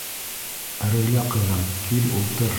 Рәйлә ҡыҙым, кил, ултыр.